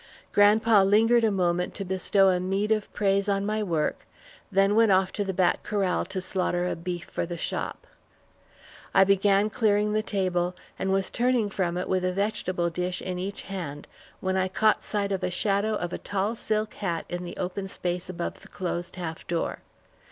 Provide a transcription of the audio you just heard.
Grandpa lingered a moment to bestow a meed of praise on my work, then went off to the back corral to slaughter a beef for the shop. I began clearing the table, and was turning from it with a vegetable dish in each hand when I caught sight of the shadow of a tall silk hat in the open space above the closed half door.